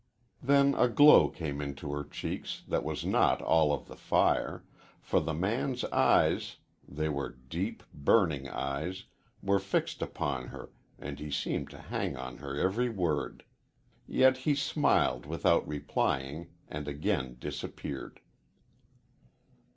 Then a glow came into her cheeks that was not all of the fire, for the man's eyes they were deep, burning eyes were fixed upon her, and he seemed to hang on her every word. Yet he smiled without replying, and again disappeared.